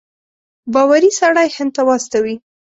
باوري سړی هند ته واستوي.